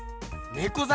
ねこざ